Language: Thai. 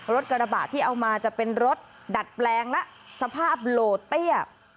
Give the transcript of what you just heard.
รถกระบะที่เอามาจะเป็นรถดัดแปลงและสภาพโหลดเตี้ย